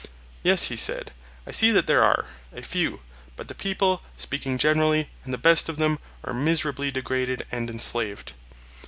Yes, he said, I see that there are—a few; but the people, speaking generally, and the best of them are miserably degraded and enslaved.